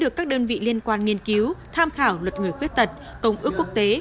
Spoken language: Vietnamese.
để được các đơn vị liên quan nghiên cứu tham khảo luật người khuyết tật công ước quốc tế